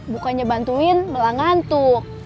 bukannya bantuin malah ngantuk